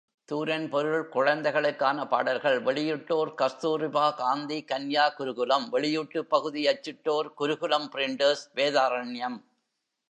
தூரன் பொருள் குழந்தைகளுக்கான பாடல்கள் வெளியிட்டோர் கஸ்தூர்பா காந்தி கன்யா குருகுலம் வெளியீட்டுப்பகுதி அச்சிட்டோர் குருகுலம் பிரிண்டர்ஸ், வேதாரண்யம்.